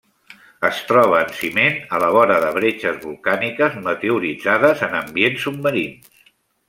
Es troba en ciment a la vora de bretxes volcàniques meteoritzades en ambients submarins.